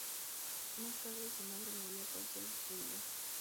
Más tarde su madre murió a causa de sus heridas.